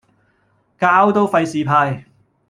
膠都費事派